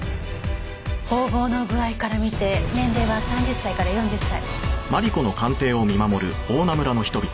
縫合の具合から見て年齢は３０歳から４０歳。